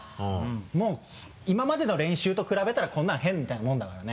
もう今までの練習と比べたらこんなの屁みたいなものだからね